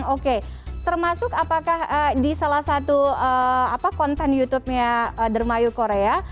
oke termasuk apakah di salah satu konten youtubenya dermayu korea